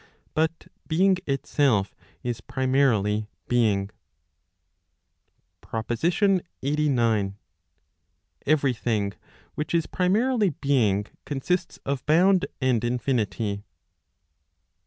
But being itself is primarily being. PROPOSITION LXXXIX. Every thing which is primarily being consists of bound and infinity.